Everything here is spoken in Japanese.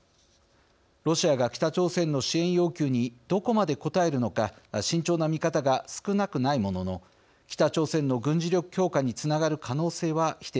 ロシアが北朝鮮の支援要求にどこまで応えるのか慎重な見方が少なくないものの北朝鮮の軍事力強化につながる可能性は否定できません。